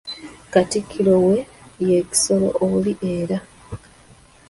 Katikkiro we ye Kisolo oli era.